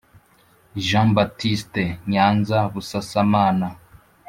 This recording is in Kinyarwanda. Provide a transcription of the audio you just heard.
Jean baptiste nyanza busasamana